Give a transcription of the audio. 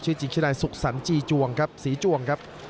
ชื่อจริงชื่อใดสุขสัญจีจวงครับสีจวงครับ